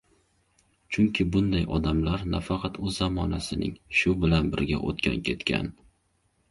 Chunki bunday odamlar nafaqat o‘z zamonasining, shu bilan birga o‘tgan-ketgan